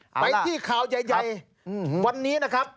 ไปที่ข่าวใหญ่วันนี้นะครับ